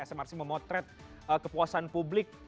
smrc memotret kepuasan publik